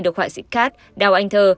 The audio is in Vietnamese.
được họa sĩ kat đào anh thơ